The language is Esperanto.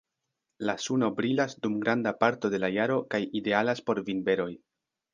La suno brilas dum granda parto de la jaro kaj idealas por vinberoj.